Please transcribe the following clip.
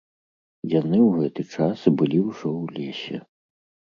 Яны ў гэты час былі ўжо ў лесе.